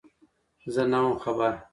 _زه نه وم خبر.